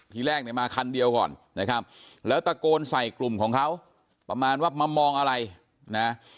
ทีแรกเนี่ยมาคันเดียวก่อนนะครับแล้วตะโกนใส่กลุ่มของเขาประมาณว่ามามองอะไรนะ